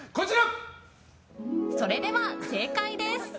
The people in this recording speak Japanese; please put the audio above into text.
それでは正解です。